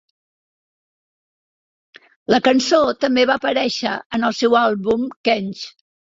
La cançó també va aparèixer en el seu àlbum "Quench".